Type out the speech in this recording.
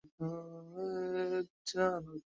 Repeat কর রে।